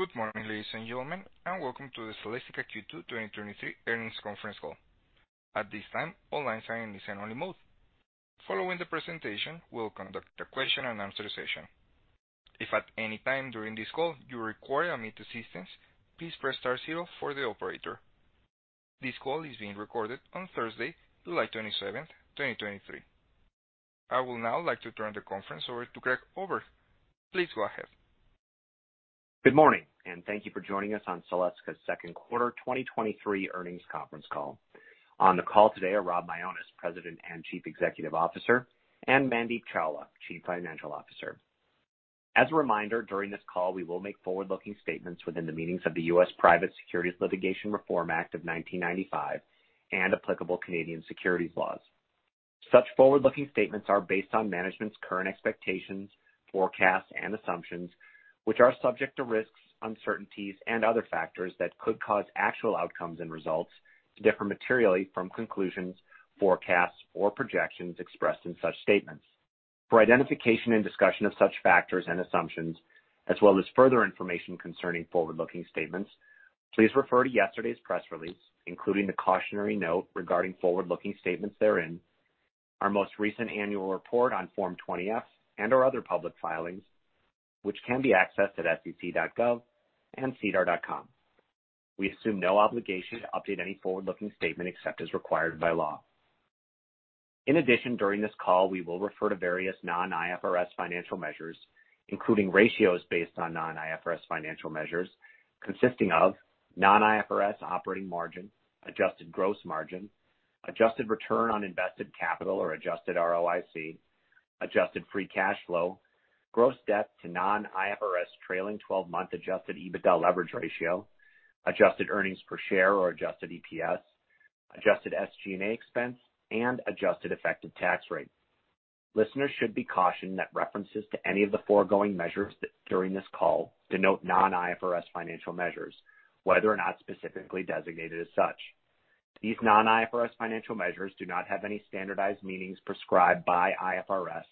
Good morning, ladies and gentlemen, and welcome to the Celestica Q2 2023 Earnings Conference Call. At this time, all lines are in listen-only mode. Following the presentation, we'll conduct a question and answer session. If at any time during this call you require immediate assistance, please press star zero for the operator. This call is being recorded on Thursday, July 27th, 2023. I would now like to turn the conference over to Craig Oberg. Please go ahead. Good morning. Thank you for joining us on Celestica's second quarter 2023 earnings conference call. On the call today are Rob Mionis, President and Chief Executive Officer, and Mandeep Chawla, Chief Financial Officer. As a reminder, during this call, we will make forward-looking statements within the meanings of the U.S. Private Securities Litigation Reform Act of 1995 and applicable Canadian securities laws. Such forward-looking statements are based on management's current expectations, forecasts, and assumptions, which are subject to risks, uncertainties, and other factors that could cause actual outcomes and results to differ materially from conclusions, forecasts, or projections expressed in such statements. For identification and discussion of such factors and assumptions, as well as further information concerning forward-looking statements, please refer to yesterday's press release, including the cautionary note regarding forward-looking statements therein, our most recent annual report on Form 20-F, and or other public filings, which can be accessed at sec.gov and sedar.com. We assume no obligation to update any forward-looking statement, except as required by law. In addition, during this call, we will refer to various non-IFRS financial measures, including ratios based on non-IFRS financial measures consisting of non-IFRS operating margin, adjusted gross margin, adjusted return on invested capital or adjusted ROIC, adjusted free cash flow, gross debt to non-IFRS trailing 12-month adjusted EBITDA leverage ratio, adjusted earnings per share or adjusted EPS, adjusted SG&A expense, and adjusted effective tax rate. Listeners should be cautioned that references to any of the foregoing measures during this call denote non-IFRS financial measures, whether or not specifically designated as such. These non-IFRS financial measures do not have any standardized meanings prescribed by IFRS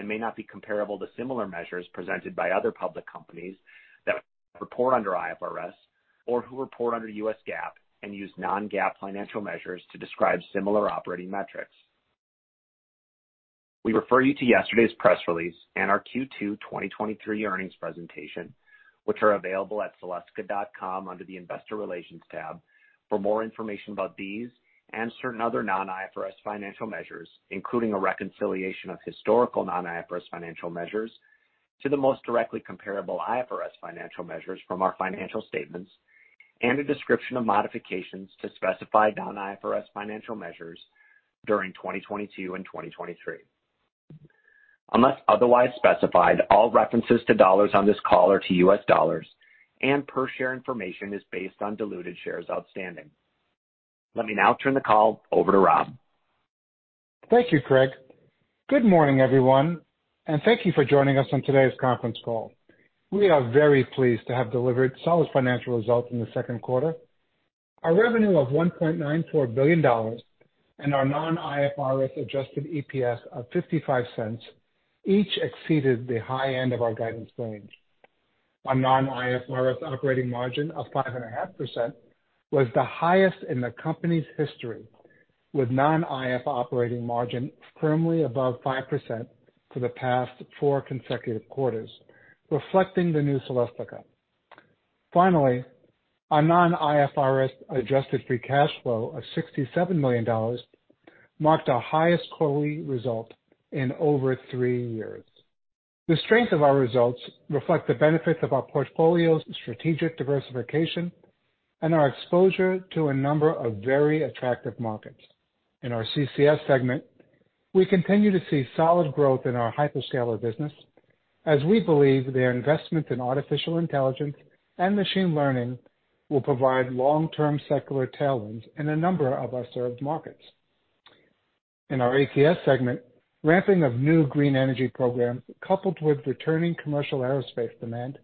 and may not be comparable to similar measures presented by other public companies that report under IFRS or who report under U.S. GAAP and use non-GAAP financial measures to describe similar operating metrics. We refer you to yesterday's press release and our Q2 2023 earnings presentation, which are available at celestica.com under the Investor Relations tab. For more information about these and certain other non-IFRS financial measures, including a reconciliation of historical non-IFRS financial measures, to the most directly comparable IFRS financial measures from our financial statements, and a description of modifications to specified non-IFRS financial measures during 2022 and 2023. Unless otherwise specified, all references to dollars on this call are to U.S. dollars. Per share information is based on diluted shares outstanding. Let me now turn the call over to Rob. Thank you, Craig. Good morning, everyone, and thank you for joining us on today's conference call. We are very pleased to have delivered solid financial results in the second quarter. Our revenue of $1.94 billion and our non-IFRS adjusted EPS of $0.55 each exceeded the high end of our guidance range. Our non-IFRS operating margin of 5.5% was the highest in the company's history, with non-IFRS operating margin firmly above 5% for the past four consecutive quarters, reflecting the new Celestica. Finally, our non-IFRS adjusted free cash flow of $67 million marked our highest quarterly result in over three years. The strength of our results reflect the benefits of our portfolio's strategic diversification and our exposure to a number of very attractive markets. In our CCS segment, we continue to see solid growth in our hyperscaler business as we believe their investment in artificial intelligence and machine learning will provide long-term secular tailwinds in a number of our served markets. In our ATS segment, ramping of new green energy programs, coupled with returning commercial aerospace demand,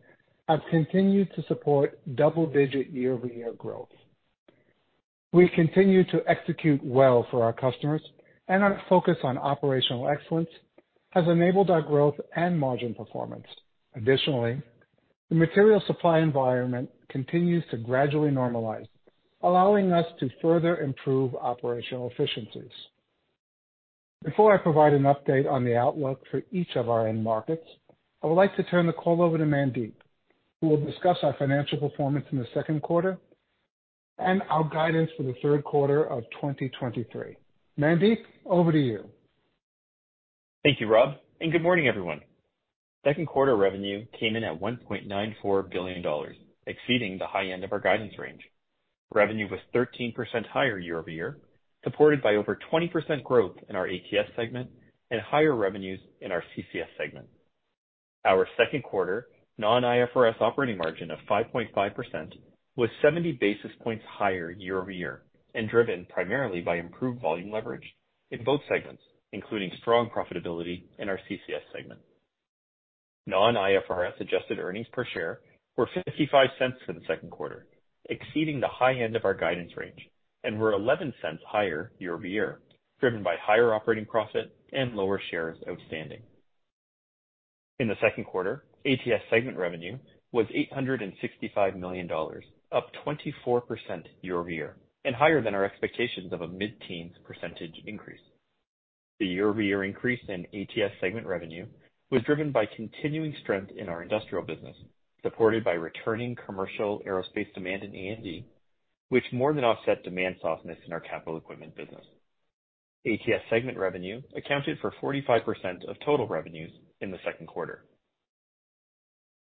have continued to support double-digit year-over-year growth. We continue to execute well for our customers, and our focus on operational excellence has enabled our growth and margin performance. Additionally, the material supply environment continues to gradually normalize, allowing us to further improve operational efficiencies. Before I provide an update on the outlook for each of our end markets, I would like to turn the call over to Mandeep, who will discuss our financial performance in the second quarter and our guidance for the third quarter of 2023. Mandeep, over to you. Thank you, Rob, and good morning, everyone. Second quarter revenue came in at $1.94 billion, exceeding the high end of our guidance range. Revenue was 13% higher year-over-year, supported by over 20% growth in our ATS segment and higher revenues in our CCS segment. Our second quarter non-IFRS operating margin of 5.5% was 70 basis points higher year-over-year and driven primarily by improved volume leverage in both segments, including strong profitability in our CCS segment. Non-IFRS adjusted earnings per share were $0.55 for the second quarter, exceeding the high end of our guidance range, and were $0.11 higher year-over-year, driven by higher operating profit and lower shares outstanding. In the second quarter, ATS segment revenue was $865 million, up 24% year-over-year, and higher than our expectations of a mid-teens percentage increase. The year-over-year increase in ATS segment revenue was driven by continuing strength in our industrial business, supported by returning commercial aerospace demand in A&D, which more than offset demand softness in our capital equipment business. ATS segment revenue accounted for 45% of total revenues in the second quarter.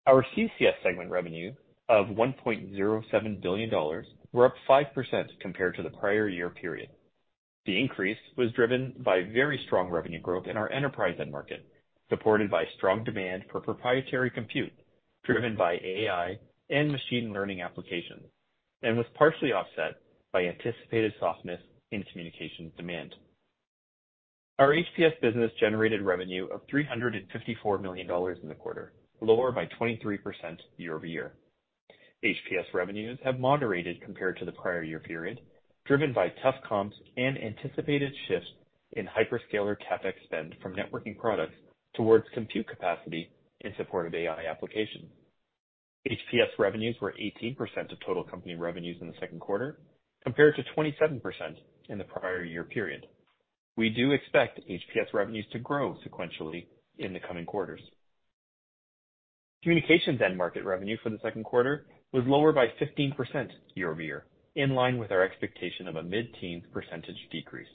Our CCS segment revenue of $1.07 billion were up 5% compared to the prior year period. The increase was driven by very strong revenue growth in our enterprise end market, supported by strong demand for proprietary compute, driven by AI and machine learning applications, and was partially offset by anticipated softness in communication demand. Our HPS business generated revenue of $354 million in the quarter, lower by 23% year-over-year. HPS revenues have moderated compared to the prior year period, driven by tough comps and anticipated shifts in hyperscaler CapEx spend from networking products towards compute capacity in support of AI applications. HPS revenues were 18% of total company revenues in the second quarter, compared to 27% in the prior year period. We do expect HPS revenues to grow sequentially in the coming quarters. Communications end market revenue for the second quarter was lower by 15% year-over-year, in line with our expectation of a mid-teen percentage decrease.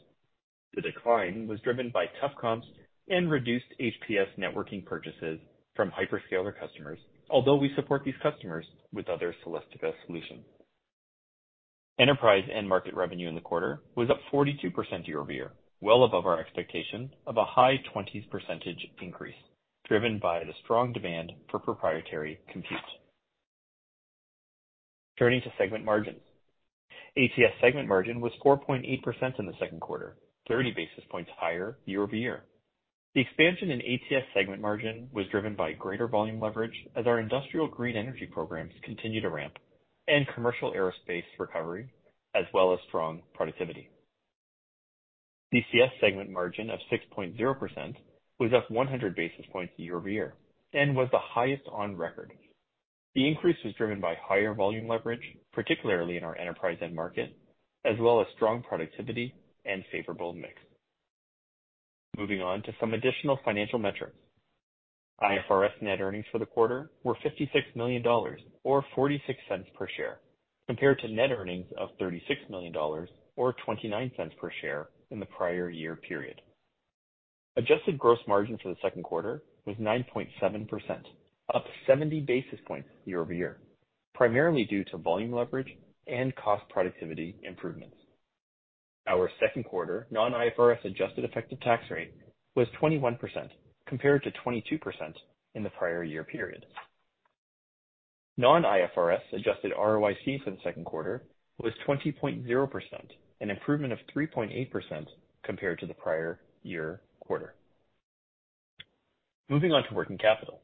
The decline was driven by tough comps and reduced HPS networking purchases from hyperscaler customers, although we support these customers with other Celestica solutions. Enterprise end market revenue in the quarter was up 42% year-over-year, well above our expectation of a high twenties percentage increase, driven by the strong demand for proprietary compute. Turning to segment margins. ATS segment margin was 4.8% in the second quarter, 30 basis points higher year-over-year. The expansion in ATS segment margin was driven by greater volume leverage, as our industrial green energy programs continue to ramp and commercial aerospace recovery, as well as strong productivity. CCS segment margin of 6.0% was up 100 basis points year-over-year and was the highest on record. The increase was driven by higher volume leverage, particularly in our enterprise end market, as well as strong productivity and favorable mix. Moving on to some additional financial metrics. IFRS net earnings for the quarter were $56 million, or $0.46 per share, compared to net earnings of $36 million, or $0.29 per share in the prior year period. Adjusted gross margin for the second quarter was 9.7%, up 70 basis points year-over-year, primarily due to volume leverage and cost productivity improvements. Our second quarter non-IFRS adjusted effective tax rate was 21%, compared to 22% in the prior year period. Non-IFRS adjusted ROIC for the second quarter was 20.0%, an improvement of 3.8% compared to the prior year quarter. Moving on to working capital.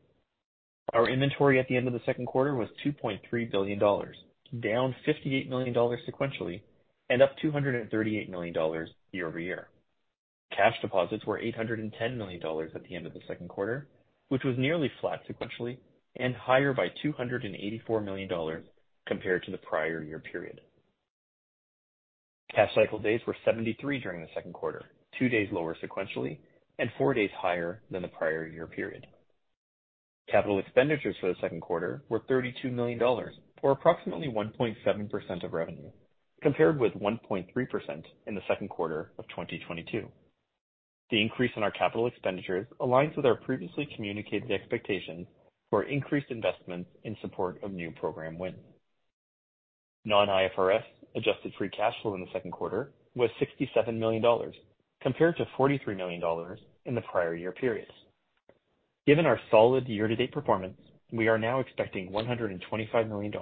Our inventory at the end of the second quarter was $2.3 billion, down $58 million sequentially and up $238 million year-over-year. Cash deposits were $810 million at the end of the second quarter, which was nearly flat sequentially and higher by $284 million compared to the prior year period. Cash cycle days were 73 during the second quarter, two days lower sequentially and four days higher than the prior year period. Capital expenditures for the second quarter were $32 million, or approximately 1.7% of revenue, compared with 1.3% in the second quarter of 2022. The increase in our capital expenditures aligns with our previously communicated expectations for increased investments in support of new program wins. Non-IFRS adjusted free cash flow in the second quarter was $67 million, compared to $43 million in the prior year period. Given our solid year-to-date performance, we are now expecting $125 million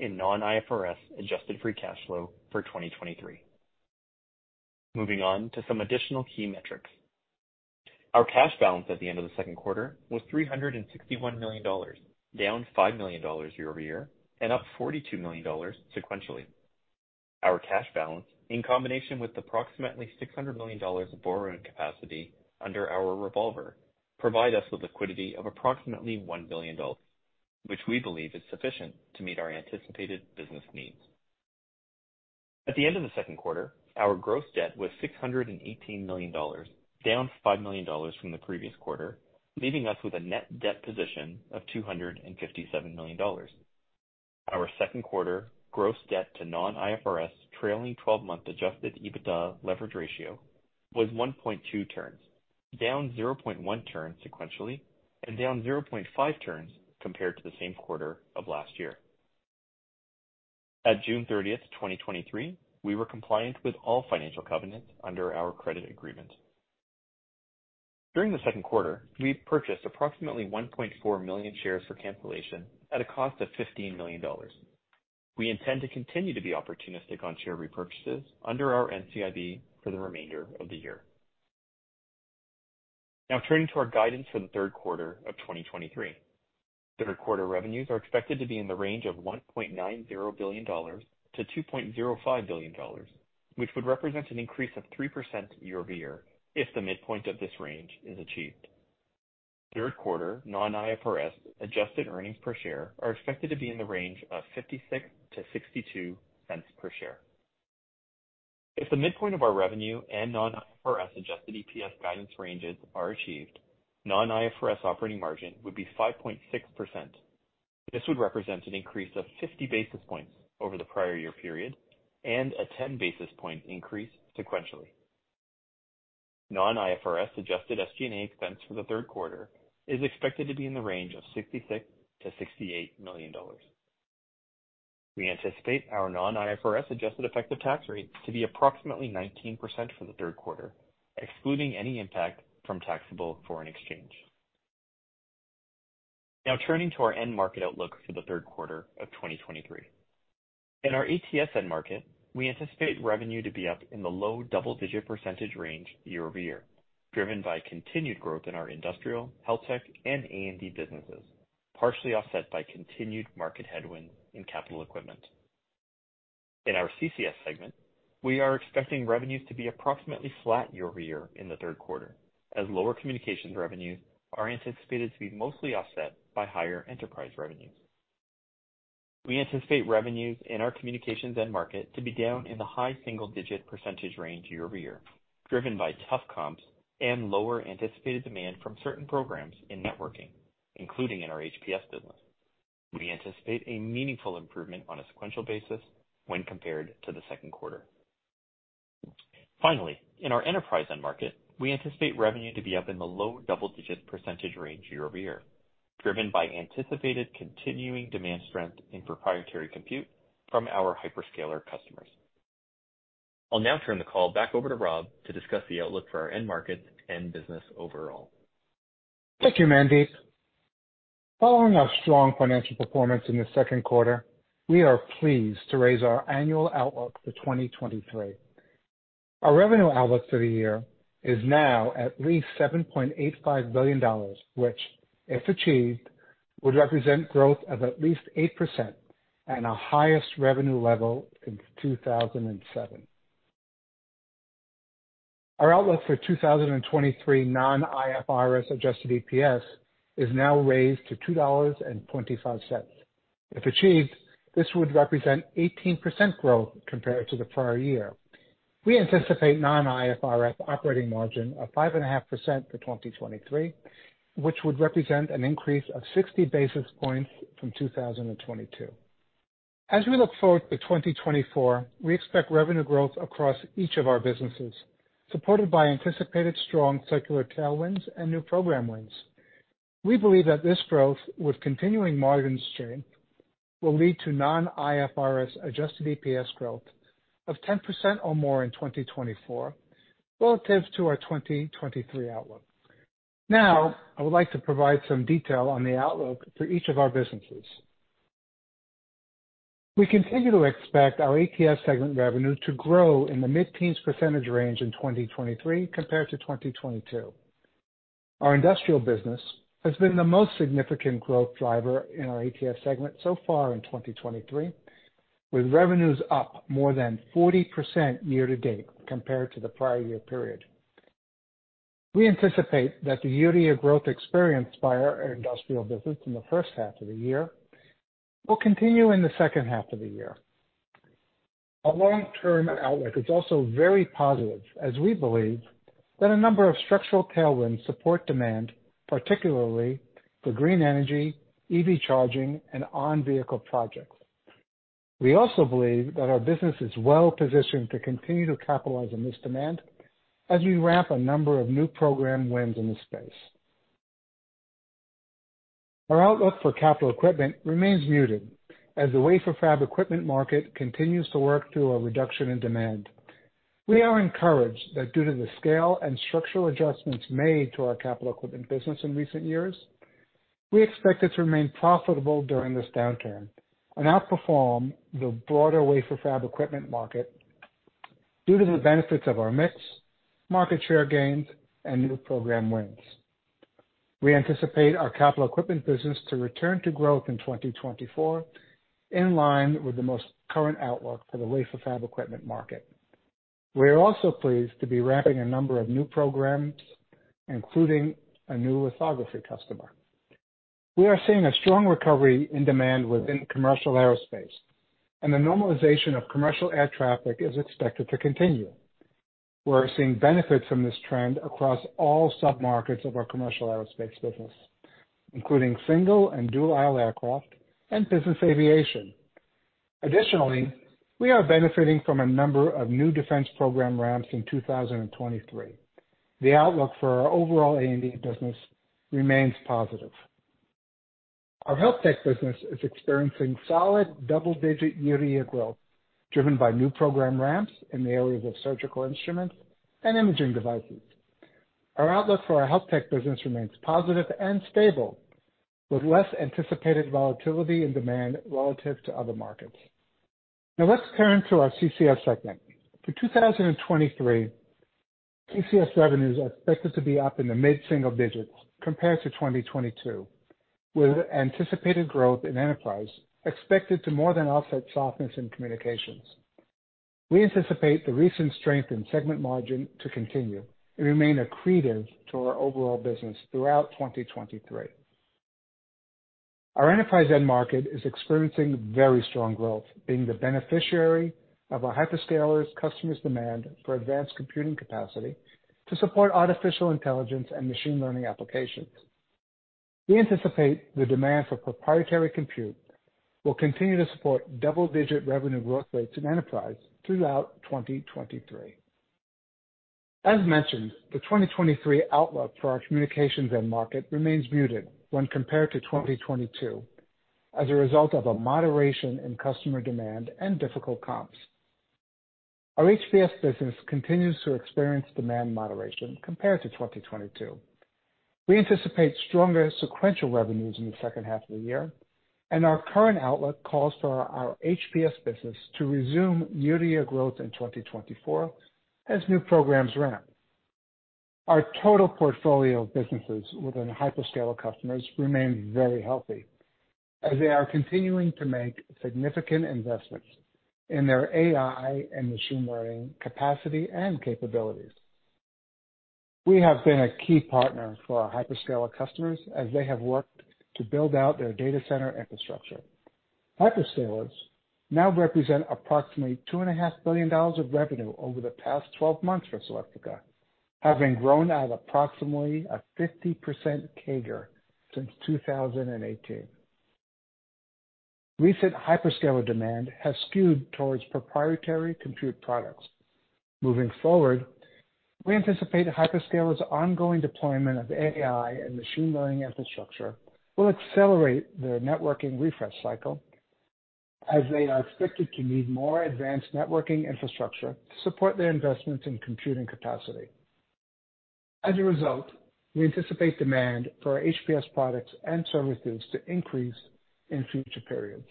in non-IFRS adjusted free cash flow for 2023. Moving on to some additional key metrics. Our cash balance at the end of the second quarter was $361 million, down $5 million year-over-year, and up $42 million sequentially. Our cash balance, in combination with approximately $600 million of borrowing capacity under our revolver, provide us with liquidity of approximately $1 billion, which we believe is sufficient to meet our anticipated business needs. At the end of the second quarter, our gross debt was $618 million, down $5 million from the previous quarter, leaving us with a net debt position of $257 million. Our second quarter gross debt to non-IFRS trailing twelve-month adjusted EBITDA leverage ratio was 1.2 turns, down 0.1 turns sequentially, and down 0.5 turns compared to the same quarter of last year. At June 30, 2023, we were compliant with all financial covenants under our credit agreement. During the second quarter, we purchased approximately 1.4 million shares for cancellation at a cost of $15 million. We intend to continue to be opportunistic on share repurchases under our NCIB for the remainder of the year. Turning to our guidance for the third quarter of 2023. Third quarter revenues are expected to be in the range of $1.90 billion-$2.05 billion, which would represent an increase of 3% year-over-year, if the midpoint of this range is achieved. Third quarter non-IFRS adjusted earnings per share are expected to be in the range of $0.56-$0.62 per share. If the midpoint of our revenue and non-IFRS adjusted EPS guidance ranges are achieved, non-IFRS operating margin would be 5.6%. This would represent an increase of 50 basis points over the prior year period, and a 10 basis point increase sequentially. Non-IFRS adjusted SG&A expense for the third quarter is expected to be in the range of $66 million-$68 million. We anticipate our non-IFRS adjusted effective tax rate to be approximately 19% for the third quarter, excluding any impact from taxable foreign exchange. Turning to our end market outlook for the third quarter of 2023. In our ATS end market, we anticipate revenue to be up in the low double-digit percentage range year-over-year, driven by continued growth in our industrial, health tech, and A&D businesses, partially offset by continued market headwinds in capital equipment. In our CCS segment, we are expecting revenues to be approximately flat year-over-year in the third quarter, as lower communications revenues are anticipated to be mostly offset by higher enterprise revenues. We anticipate revenues in our communications end market to be down in the high single-digit percentage range year-over-year, driven by tough comps and lower anticipated demand from certain programs in networking, including in our HPS business. We anticipate a meaningful improvement on a sequential basis when compared to the second quarter. Finally, in our enterprise end market, we anticipate revenue to be up in the low double-digit percentage range year-over-year, driven by anticipated continuing demand strength in proprietary compute from our hyperscaler customers. I'll now turn the call back over to Rob to discuss the outlook for our end markets and business overall. Thank you, Mandeep. Following our strong financial performance in the second quarter, we are pleased to raise our annual outlook for 2023. Our revenue outlook for the year is now at least $7.85 billion, which, if achieved, would represent growth of at least 8% and our highest revenue level since 2007. Our outlook for 2023 non-IFRS adjusted EPS is now raised to $2.25. If achieved, this would represent 18% growth compared to the prior year. We anticipate non-IFRS operating margin of 5.5% for 2023, which would represent an increase of 60 basis points from 2022. We look forward to 2024, we expect revenue growth across each of our businesses, supported by anticipated strong secular tailwinds and new program wins. We believe that this growth, with continuing margin strength, will lead to non-IFRS adjusted EPS growth of 10% or more in 2024 relative to our 2023 outlook. I would like to provide some detail on the outlook for each of our businesses. We continue to expect our ATS segment revenue to grow in the mid-teens percentage range in 2023 compared to 2022. Our industrial business has been the most significant growth driver in our ATS segment so far in 2023, with revenues up more than 40% year to date compared to the prior year period. We anticipate that the year-over-year growth experienced by our industrial business in the first half of the year will continue in the second half of the year. Our long-term outlook is also very positive, as we believe that a number of structural tailwinds support demand, particularly for green energy, EV charging, and on-vehicle projects. We also believe that our business is well positioned to continue to capitalize on this demand as we ramp a number of new program wins in this space. Our outlook for capital equipment remains muted as the Wafer Fab Equipment market continues to work through a reduction in demand. We are encouraged that due to the scale and structural adjustments made to our capital equipment business in recent years, we expect it to remain profitable during this downturn and outperform the broader Wafer Fab Equipment market due to the benefits of our mix, market share gains, and new program wins. We anticipate our capital equipment business to return to growth in 2024, in line with the most current outlook for the Wafer Fab Equipment market. We are also pleased to be ramping a number of new programs, including a new lithography customer. We are seeing a strong recovery in demand within commercial aerospace, and the normalization of commercial air traffic is expected to continue. We're seeing benefits from this trend across all submarkets of our commercial aerospace business, including single and dual-aisle aircraft and business aviation. We are benefiting from a number of new defense program ramps in 2023. The outlook for our overall A&D business remains positive. Our health tech business is experiencing solid double-digit year-over-year growth, driven by new program ramps in the areas of surgical instruments and imaging devices. Our outlook for our health tech business remains positive and stable, with less anticipated volatility in demand relative to other markets. Let's turn to our CCS segment. For 2023, CCS revenues are expected to be up in the mid-single digits compared to 2022, with anticipated growth in enterprise expected to more than offset softness in communications. We anticipate the recent strength in segment margin to continue and remain accretive to our overall business throughout 2023. Our enterprise end market is experiencing very strong growth, being the beneficiary of our hyperscalers customers' demand for advanced computing capacity to support artificial intelligence and machine learning applications. We anticipate the demand for proprietary compute will continue to support double-digit revenue growth rates in enterprise throughout 2023. As mentioned, the 2023 outlook for our communications end market remains muted when compared to 2022, as a result of a moderation in customer demand and difficult comps. Our HPS business continues to experience demand moderation compared to 2022. We anticipate stronger sequential revenues in the second half of the year, and our current outlook calls for our HPS business to resume year-to-year growth in 2024 as new programs ramp. Our total portfolio of businesses within hyperscaler customers remain very healthy, as they are continuing to make significant investments in their AI and machine learning capacity and capabilities. We have been a key partner for our hyperscaler customers as they have worked to build out their data center infrastructure. Hyperscalers now represent approximately $2.5 billion of revenue over the past 12 months for Celestica, having grown at approximately a 50% CAGR since 2018. Recent hyperscaler demand has skewed towards proprietary compute products. Moving forward, we anticipate hyperscalers' ongoing deployment of AI and machine learning infrastructure will accelerate their networking refresh cycle, as they are expected to need more advanced networking infrastructure to support their investments in computing capacity. As a result, we anticipate demand for our HPS products and services to increase in future periods.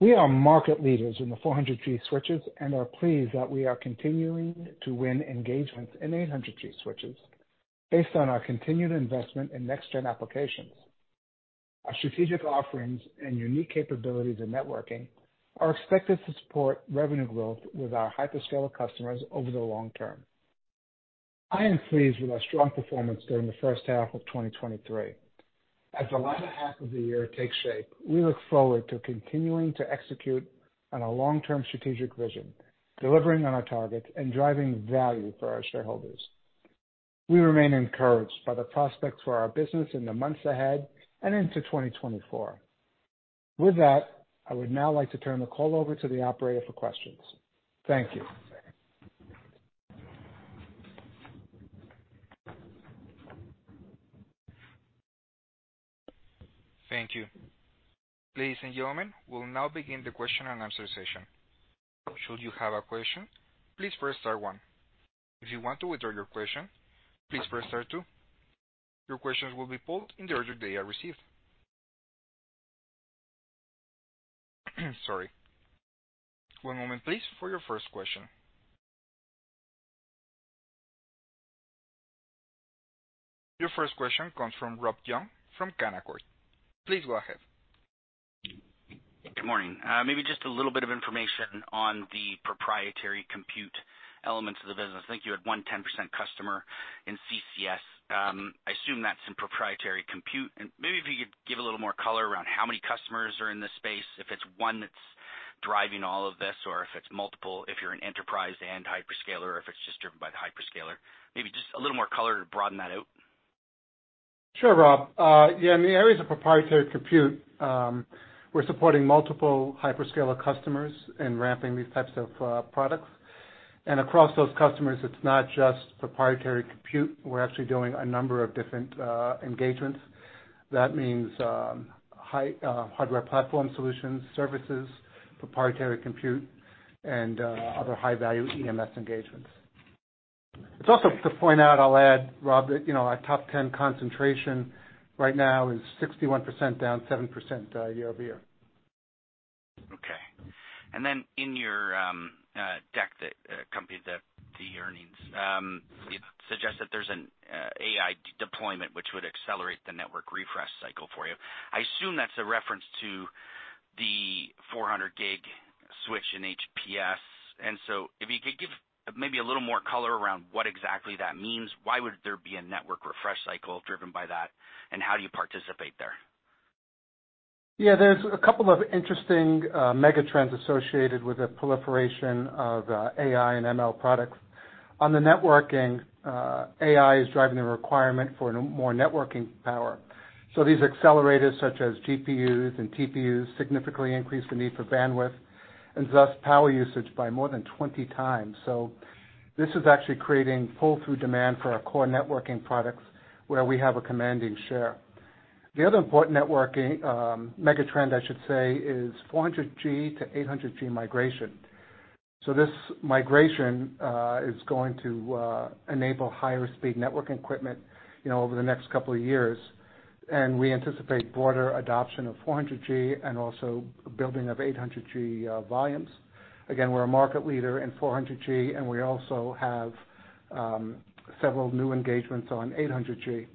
We are market leaders in the 400G switches and are pleased that we are continuing to win engagements in 800G switches based on our continued investment in next gen applications. Our strategic offerings and unique capabilities in networking are expected to support revenue growth with our hyperscaler customers over the long term. I am pleased with our strong performance during the first half of 2023. As the latter half of the year takes shape, we look forward to continuing to execute on our long-term strategic vision, delivering on our targets, and driving value for our shareholders. We remain encouraged by the prospects for our business in the months ahead and into 2024. I would now like to turn the call over to the operator for questions. Thank you. Thank you. Ladies and gentlemen, we'll now begin the question and answer session. Should you have a question, please press star one. If you want to withdraw your question, please press star two. Your questions will be pulled in the order they are received. Sorry. One moment, please, for your first question. Your first question comes from Rob Young from Canaccord. Please go ahead. Good morning. Maybe just a little bit of information on the proprietary compute elements of the business. I think you had one 10% customer in CCS. I assume that's in proprietary compute. Maybe if you could give a little more color around how many customers are in this space, if it's one that's driving all of this, or if it's multiple, if you're an enterprise and hyperscaler, or if it's just driven by the hyperscaler. Maybe just a little more color to broaden that out. Sure, Rob. Yeah, in the areas of proprietary compute, we're supporting multiple hyperscaler customers in ramping these types of products. Across those customers, it's not just proprietary compute. We're actually doing a number of different engagements. That means, high hardware platform solutions, services, proprietary compute, and other high-value EMS engagements. It's also to point out, I'll add, Rob, that, you know, our top 10 concentration right now is 61%, down 7% year-over-year. Okay. In your deck that accompanied the earnings, you suggest that there's an AI deployment which would accelerate the network refresh cycle for you. I assume that's a reference to the 400G switch in HPS. If you could give maybe a little more color around what exactly that means, why would there be a network refresh cycle driven by that, and how do you participate there? Yeah, there's a couple of interesting megatrends associated with the proliferation of AI/ML products. On the networking, AI is driving the requirement for more networking power. These accelerators, such as GPUs and TPUs, significantly increase the need for bandwidth and thus power usage by more than 20 times. This is actually creating pull-through demand for our core networking products, where we have a commanding share. The other important networking megatrend, I should say, is 400G to 800G migration. This migration is going to enable higher speed network equipment, you know, over the next couple of years, and we anticipate broader adoption of 400G and also building of 800G volumes. We're a market leader in 400G, and we also have several new engagements on 800G,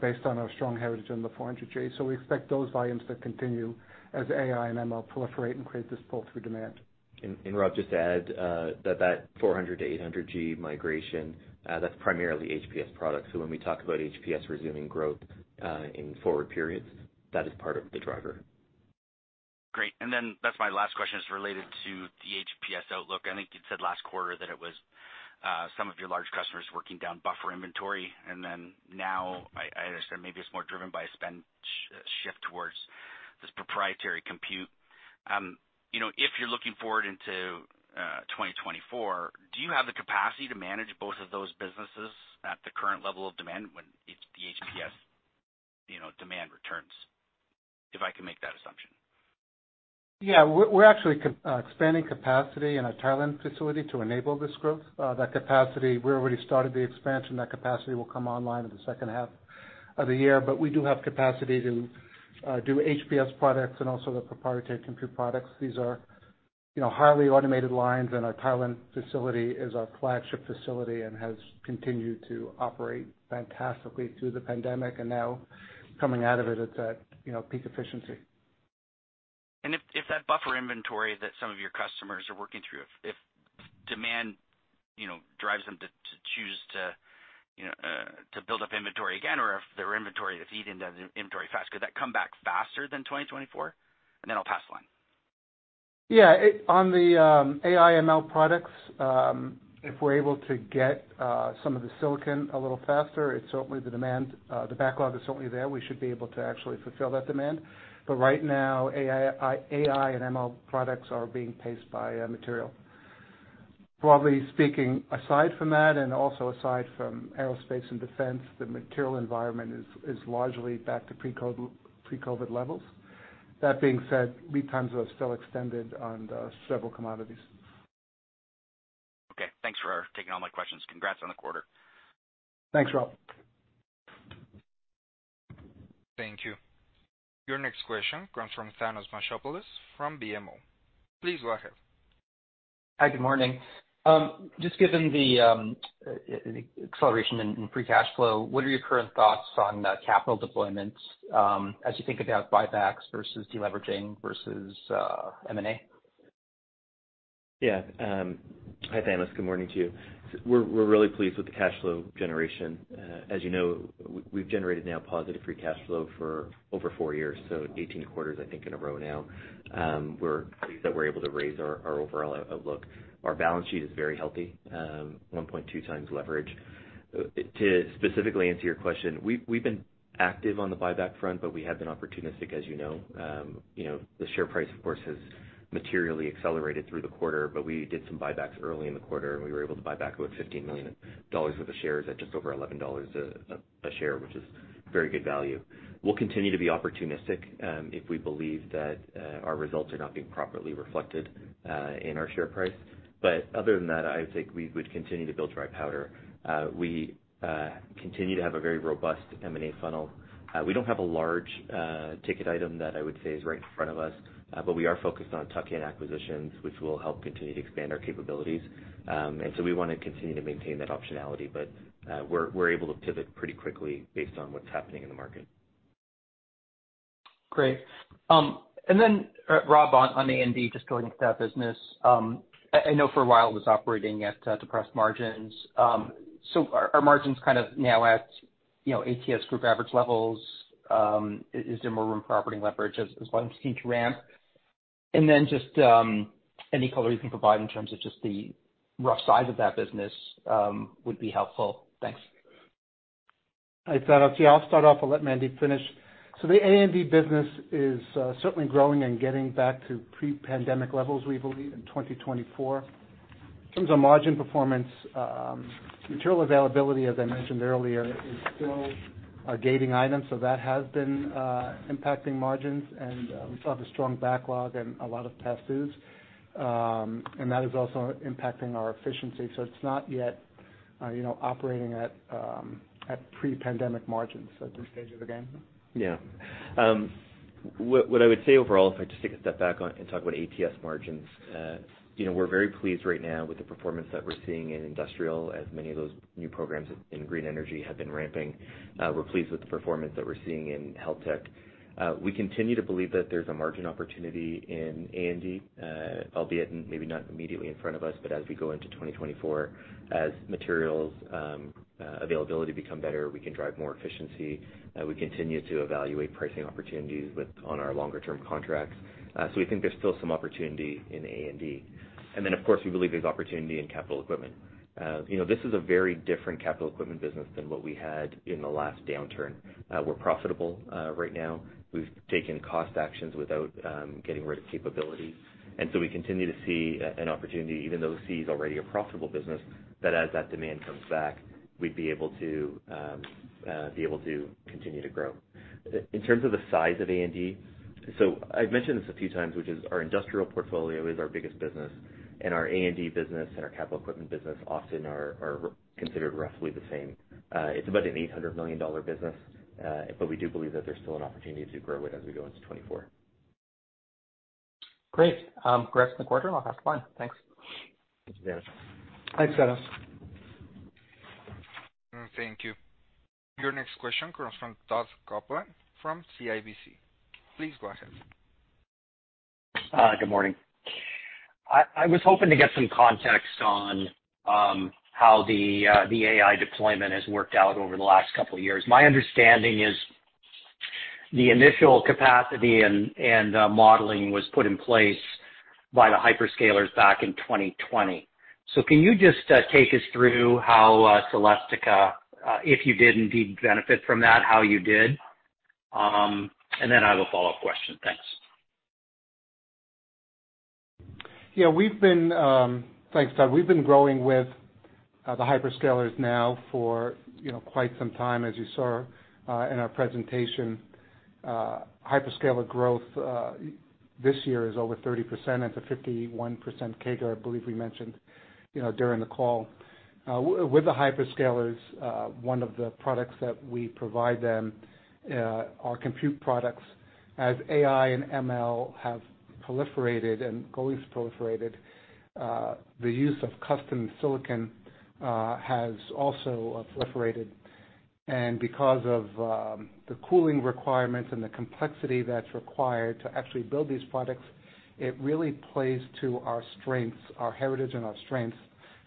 based on our strong heritage in the 400G. We expect those volumes to continue as AI/ML proliferate and create this pull-through demand. Rob, just to add, that 400G to 800G migration, that's primarily HPS products. When we talk about HPS resuming growth, in forward periods, that is part of the driver. Great. That's my last question, is related to the HPS outlook. I think you'd said last quarter that it was some of your large customers working down buffer inventory, now I understand maybe it's more driven by a spend shift towards this proprietary compute. You know, if you're looking forward into 2024, do you have the capacity to manage both of those businesses at the current level of demand when it's the HPS, you know, demand returns? If I can make that assumption. Yeah. We're actually expanding capacity in our Thailand facility to enable this growth. That capacity, we already started the expansion. That capacity will come online in the second half of the year. We do have capacity to do HPS products and also the proprietary compute products. These are, you know, highly automated lines. Our Thailand facility is our flagship facility and has continued to operate fantastically through the pandemic. Now coming out of it, it's at, you know, peak efficiency. If that buffer inventory that some of your customers are working through, if demand, you know, drives them to choose to, you know, to build up inventory again, or if their inventory is eating the inventory fast, could that come back faster than 2024? Then I'll pass the line. Yeah. On the AI/ML products, if we're able to get some of the silicon a little faster, it's certainly the demand, the backlog is certainly there. We should be able to actually fulfill that demand. Right now, AI/ML products are being paced by material. Broadly speaking, aside from that, and also aside from aerospace and defense, the material environment is largely back to pre-COVID, pre-COVID levels. That being said, lead times are still extended on the several commodities. Okay, thanks for taking all my questions. Congrats on the quarter. Thanks, Rob. Thank you. Your next question comes from Thanos Moschopoulos, from BMO. Please go ahead. Hi, good morning. Just given the acceleration in free cash flow, what are your current thoughts on capital deployments as you think about buybacks versus deleveraging versus M&A? Hi, Thanos. Good morning to you. We're really pleased with the cash flow generation. As you know, we've generated now positive free cash flow for over 4 years, so 18 quarters, I think, in a row now. We're pleased that we're able to raise our overall outlook. Our balance sheet is very healthy, 1.2x leverage. To specifically answer your question, we've been active on the buyback front, but we have been opportunistic, as you know. You know, the share price, of course, has materially accelerated through the quarter, but we did some buybacks early in the quarter, and we were able to buy back about $15 million worth of shares at just over $11 a share, which is very good value. We'll continue to be opportunistic, if we believe that our results are not being properly reflected in our share price. Other than that, I would think we would continue to build dry powder. We continue to have a very robust M&A funnel. We don't have a large ticket item that I would say is right in front of us, but we are focused on tuck-in acquisitions, which will help continue to expand our capabilities. We wanna continue to maintain that optionality, but we're able to pivot pretty quickly based on what's happening in the market. Great. Rob, on A&D, just going into that business, I know for a while it was operating at depressed margins. Are margins kind of now at, you know, ATS group average levels? Is there more room for operating leverage as volumes continue to ramp? Just any color you can provide in terms of just the rough size of that business would be helpful. Thanks. Hi, Thanos. Yeah, I'll start off, I'll let Mandy finish. The A&D business is certainly growing and getting back to pre-pandemic levels, we believe, in 2024. In terms of margin performance, material availability, as I mentioned earlier, is still a gating item, so that has been impacting margins, and we've got a strong backlog and a lot of pass-throughs, and that is also impacting our efficiency. It's not yet, you know, operating at pre-pandemic margins at this stage of the game. Yeah. What I would say overall, if I just take a step back on and talk about ATS margins, you know, we're very pleased right now with the performance that we're seeing in industrial, as many of those new programs in green energy have been ramping. We're pleased with the performance that we're seeing in health tech. We continue to believe that there's a margin opportunity in A&D, albeit maybe not immediately in front of us, but as we go into 2024, as materials availability become better, we can drive more efficiency. We continue to evaluate pricing opportunities on our longer-term contracts. We think there's still some opportunity in A&D. Of course, we believe there's opportunity in capital equipment. You know, this is a very different capital equipment business than what we had in the last downturn. We're profitable right now. We've taken cost actions without getting rid of capability. We continue to see an opportunity, even though CCS is already a profitable business, that as that demand comes back, we'd be able to continue to grow. In terms of the size of A&D, so I've mentioned this a few times, which is our industrial portfolio is our biggest business, and our A&D business and our capital equipment business often are considered roughly the same. It's about an $800 million business, but we do believe that there's still an opportunity to grow it as we go into 2024. Great. congrats on the quarter, and I'll have fun. Thanks. Thank you very much. Thanks, Thanos. Thank you. Your next question comes from Todd Coupland from CIBC. Please go ahead. Good morning. I was hoping to get some context on, how the AI deployment has worked out over the last couple of years. My understanding is the initial capacity and modeling was put in place by the hyperscalers back in 2020. Can you just take us through how Celestica, if you did indeed benefit from that, how you did? And then I have a follow-up question. Thanks. Yeah, we've been, thanks, Todd. We've been growing with the hyperscalers now for, you know, quite some time, as you saw in our presentation. Hyperscaler growth this year is over 30%, and it's a 51% CAGR, I believe we mentioned, you know, during the call. With the hyperscalers, one of the products that we provide them are compute products. As AI/ML have proliferated and goals proliferated, the use of custom silicon has also proliferated. Because of the cooling requirements and the complexity that's required to actually build these products, it really plays to our strengths, our heritage, and our strengths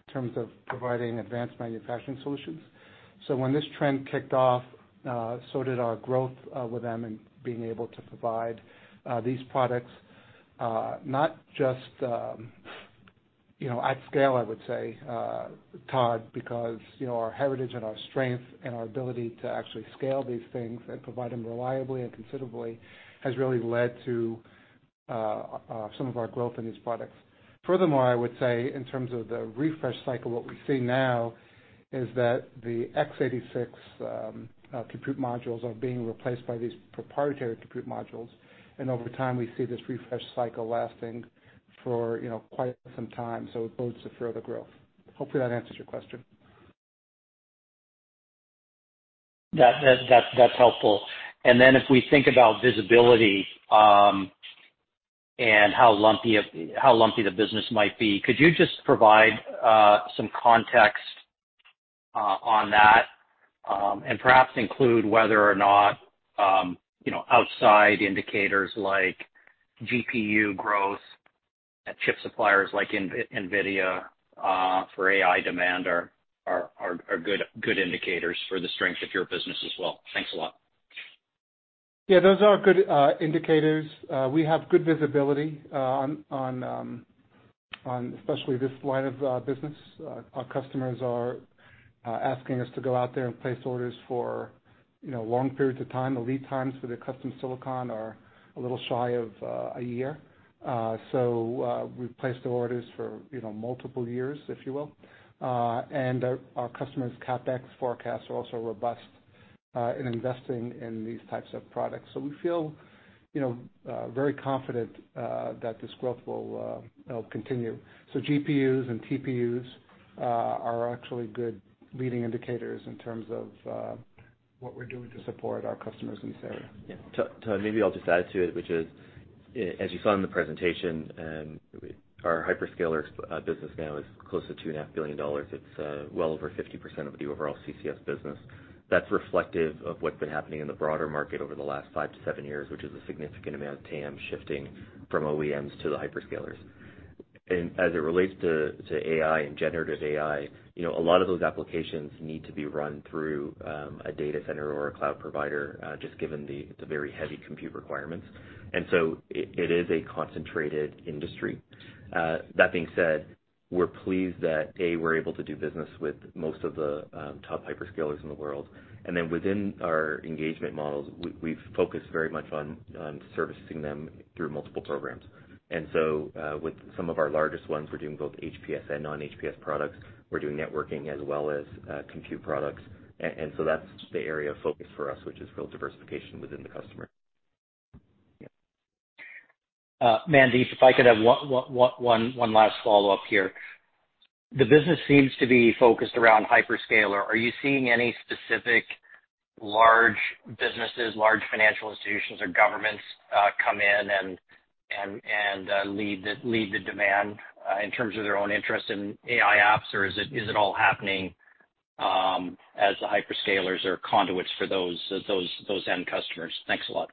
in terms of providing advanced manufacturing solutions. When this trend kicked off, so did our growth with them and being able to provide these products, not just, you know, at scale, I would say, Todd, because, you know, our heritage and our strength and our ability to actually scale these things and provide them reliably and considerably has really led to some of our growth in these products. Furthermore, I would say, in terms of the refresh cycle, what we see now is that the x86 compute modules are being replaced by these proprietary compute modules, and over time, we see this refresh cycle lasting for, you know, quite some time, so it bodes to further growth. Hopefully, that answers your question. That's helpful. If we think about visibility, and how lumpy the business might be, could you just provide some context on that? And perhaps include whether or not, you know, outside indicators like GPU growth at chip suppliers like NVIDIA for AI demand are good indicators for the strength of your business as well. Thanks a lot. Those are good indicators. We have good visibility on especially this line of business. Our customers are asking us to go out there and place orders for, you know, long periods of time. The lead times for the custom silicon are a little shy of a year. We've placed orders for, you know, multiple years, if you will. Our customers' CapEx forecasts are also robust in investing in these types of products. GPUs and TPUs are actually good leading indicators in terms of what we're doing to support our customers in this area. Yeah. Todd, maybe I'll just add to it, which is, as you saw in the presentation, our hyperscaler business now is close to two and a half billion dollars. It's well over 50% of the overall CCS business. That's reflective of what's been happening in the broader market over the last 5-7 years, which is a significant amount of TAM shifting from OEMs to the hyperscalers. As it relates to AI and generative AI, you know, a lot of those applications need to be run through a data center or a cloud provider, just given the very heavy compute requirements, it is a concentrated industry. That being said, we're pleased that, A, we're able to do business with most of the top hyperscalers in the world. Within our engagement models, we've focused very much on servicing them through multiple programs. With some of our largest ones, we're doing both HPS and non-HPS products. We're doing networking as well as compute products. That's the area of focus for us, which is real diversification within the customer. Mandeep, if I could have one last follow-up here. The business seems to be focused around hyperscaler. Are you seeing any specific large businesses, large financial institutions or governments come in and lead the demand in terms of their own interest in AI apps, or is it all happening as the hyperscalers or conduits for those end customers? Thanks a lot.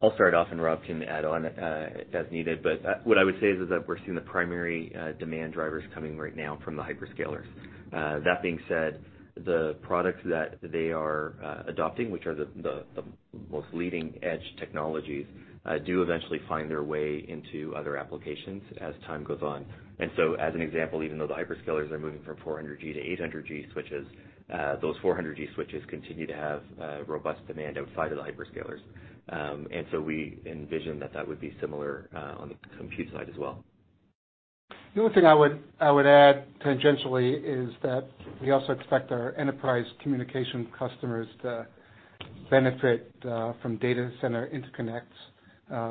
I'll start off, Rob can add on, as needed. What I would say is that we're seeing the primary demand drivers coming right now from the hyperscalers. That being said, the products that they are adopting, which are the most leading-edge technologies, do eventually find their way into other applications as time goes on. As an example, even though the hyperscalers are moving from 400G to 800G switches, those 400G switches continue to have robust demand outside of the hyperscalers. We envision that that would be similar on the compute side as well. The only thing I would add tangentially is that we also expect our enterprise communication customers to benefit from data center interconnects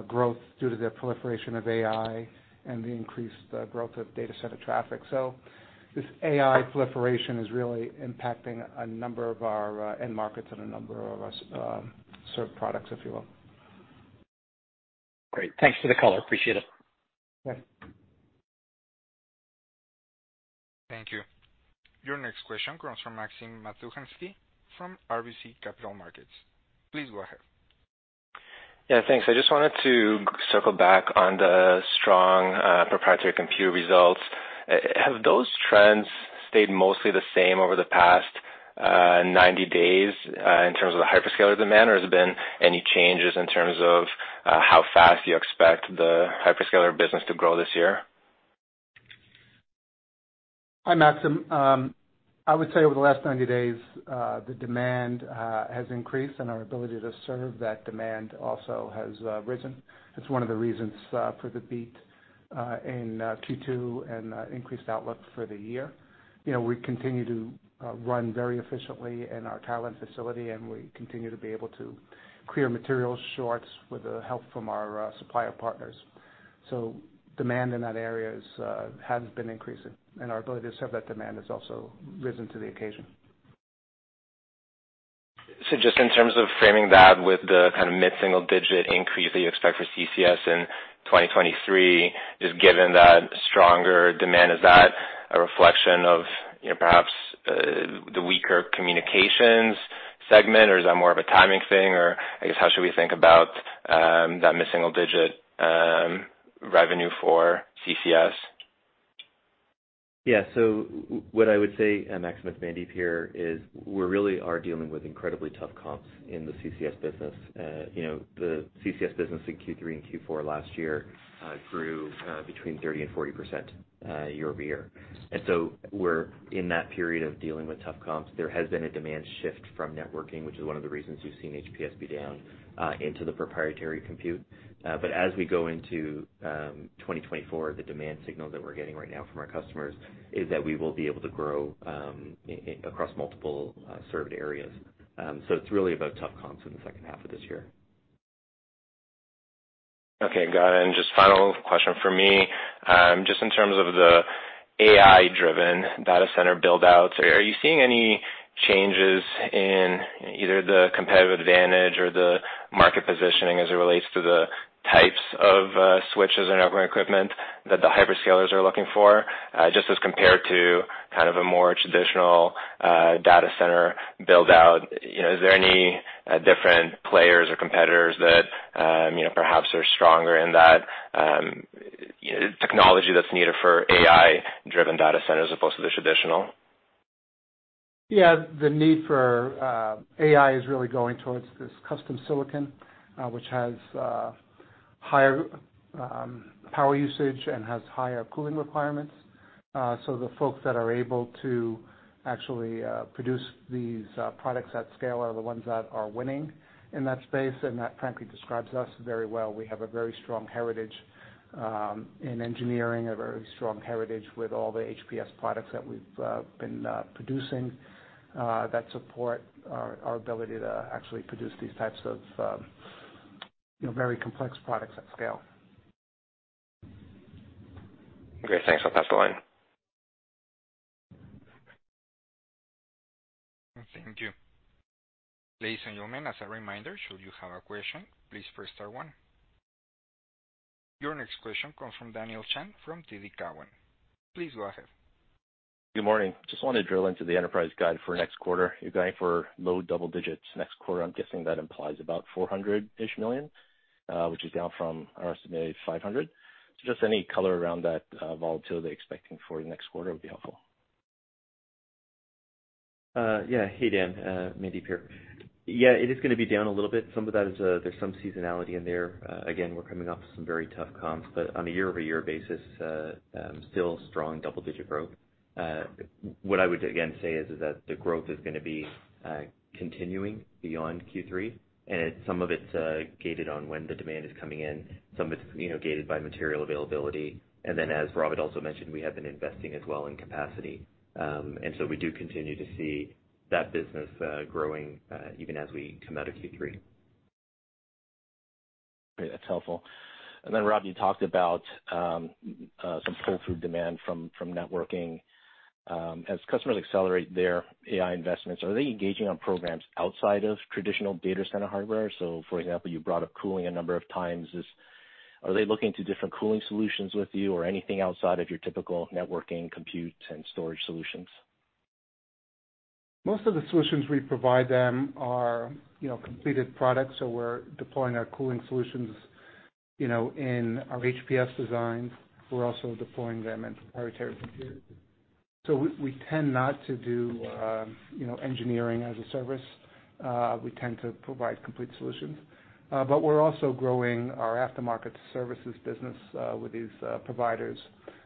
growth due to their proliferation of AI and the increased growth of data center traffic. This AI proliferation is really impacting a number of our end markets and a number of our served products, if you will. Great. Thanks for the color. Appreciate it. Okay. Thank you. Your next question comes from Maxim Matushansky from RBC Capital Markets. Please go ahead. Thanks. I just wanted to circle back on the strong, proprietary computer results. Have those trends stayed mostly the same over the past 90 days, in terms of the hyperscaler demand? Or has there been any changes in terms of how fast you expect the hyperscaler business to grow this year? Hi, Maxim. I would say over the last 90 days, the demand has increased, and our ability to serve that demand also has risen. It's one of the reasons for the beat in Q2 and increased outlook for the year. You know, we continue to run very efficiently in our Thailand facility, and we continue to be able to clear material shorts with the help from our supplier partners. Demand in that area has been increasing, and our ability to serve that demand has also risen to the occasion. Just in terms of framing that with the kind of mid-single-digit increase that you expect for CCS in 2023, just given that stronger demand, is that a reflection of, you know, perhaps, the weaker communications segment? Is that more of a timing thing? I guess, how should we think about that mid-single digit revenue for CCS? Yeah. What I would say, and Maxim, Mandeep here, is we really are dealing with incredibly tough comps in the CCS business. you know, the CCS business in Q3 and Q4 last year grew between 30% and 40% year-over-year. We're in that period of dealing with tough comps. There has been a demand shift from networking, which is one of the reasons you've seen HPS be down into the proprietary compute. As we go into 2024, the demand signal that we're getting right now from our customers is that we will be able to grow across multiple served areas. It's really about tough comps in the second half of this year. Okay, got it. Just final question for me. Just in terms of the AI-driven data center buildouts, are you seeing any changes in either the competitive advantage or the market positioning as it relates to the types of switches and network equipment that the hyperscalers are looking for, just as compared to kind of a more traditional data center buildout? You know, is there any different players or competitors that, you know, perhaps are stronger in that technology that's needed for AI-driven data centers as opposed to the traditional? Yeah, the need for AI is really going towards this custom silicon, which has higher power usage and has higher cooling requirements. The folks that are able to actually produce these products at scale are the ones that are winning in that space, and that, frankly, describes us very well. We have a very strong heritage in engineering, a very strong heritage with all the HPS products that we've been producing that support our ability to actually produce these types of, you know, very complex products at scale. Okay, thanks. I'll pass the line. Thank you. Ladies and gentlemen, as a reminder, should you have a question, please press star one. Your next question comes from Daniel Chan, from TD Cowen. Please go ahead. Good morning. Just want to drill into the enterprise guide for next quarter. You're guiding for low double digits next quarter. I'm guessing that implies about $400-ish million, which is down from our estimated $500 million. Just any color around that volatility expecting for the next quarter would be helpful. Yeah. Hey, Daniel, Mandeep here. Yeah, it is going to be down a little bit. Some of that is, there's some seasonality in there. Again, we're coming off some very tough comps, but on a year-over-year basis, still strong double-digit growth. What I would, again, say is, is that the growth is going to be continuing beyond Q3, and some of it's gated on when the demand is coming in. Some of it's, you know, gated by material availability. Then, as Robert also mentioned, we have been investing as well in capacity. We do continue to see that business growing, even as we come out of Q3. Great. That's helpful. Then, Rob, you talked about some pull-through demand from networking. As customers accelerate their AI investments, are they engaging on programs outside of traditional data center hardware? For example, you brought up cooling a number of times. Are they looking to different cooling solutions with you or anything outside of your typical networking, compute, and storage solutions? Most of the solutions we provide them are, you know, completed products, so we're deploying our cooling solutions, you know, in our HPS designs. We're also deploying them in proprietary computers. We, we tend not to do, you know, engineering as a service. We tend to provide complete solutions. We're also growing our aftermarket services business with these providers,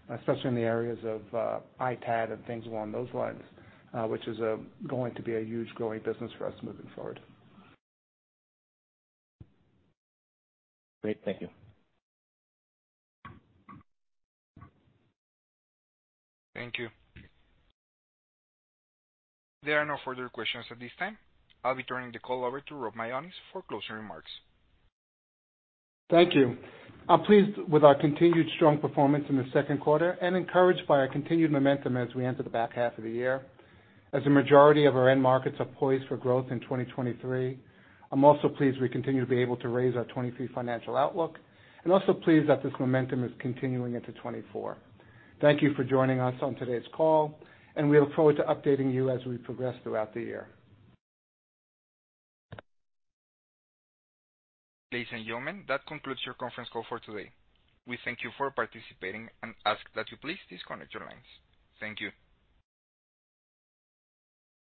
especially in the areas of ITAD and things along those lines, which is going to be a huge growing business for us moving forward. Great. Thank you. Thank you. There are no further questions at this time. I'll be turning the call over to Rob Mionis for closing remarks. Thank you. I'm pleased with our continued strong performance in the second quarter and encouraged by our continued momentum as we enter the back half of the year, as a majority of our end markets are poised for growth in 2023. I'm also pleased we continue to be able to raise our 2023 financial outlook and also pleased that this momentum is continuing into 2024. Thank you for joining us on today's call, and we look forward to updating you as we progress throughout the year. Ladies and gentlemen, that concludes your conference call for today. We thank you for participating and ask that you please disconnect your lines. Thank you.